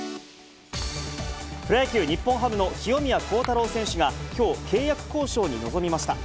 プロ野球・日本ハムの清宮幸太郎選手がきょう、契約交渉に臨みました。